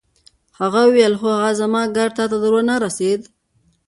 هغه وویل: هو، هغه زما کارډ تا ته در ونه رسید؟